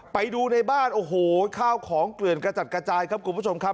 ไปดูในบ้านโอ้โหข้าวของเกลื่อนกระจัดกระจายครับคุณผู้ชมครับ